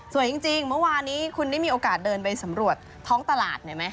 จริงเมื่อวานนี้คุณได้มีโอกาสเดินไปสำรวจท้องตลาดหน่อยไหม